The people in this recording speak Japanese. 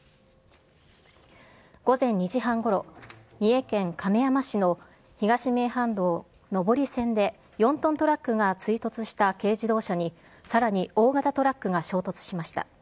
午前２時半ごろ、三重県亀山市の東名阪道上り線で、４トントラックが追突した軽自動車に、さらに大型トラックが衝突しました。